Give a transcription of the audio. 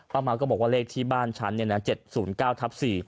เมาก็บอกว่าเลขที่บ้านฉัน๗๐๙ทับ๔